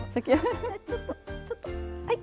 ちょっとちょっとはい！